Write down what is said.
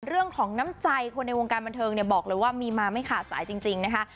น้ำใจคนในวงการบันเทิงเนี่ยบอกเลยว่ามีมาไม่ขาดสายจริงนะคะ